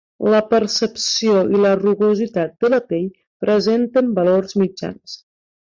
La percepció i la rugositat de la pell presenten valors mitjans.